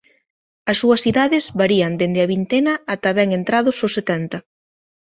As súas idades varían dende a vintena ata ben entrados os setenta.